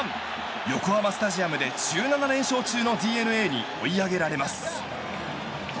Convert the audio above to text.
横浜スタジアムで１７連勝中のＤｅＮＡに追い上げられます。